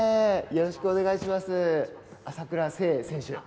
よろしくお願いします。